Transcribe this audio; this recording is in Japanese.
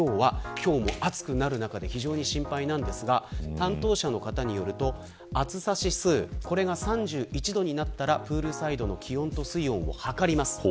今日も暑くなる中非常に心配ですが担当者の方によると暑さ指数が３１度になったらプールサイドの気温と水温を測ります。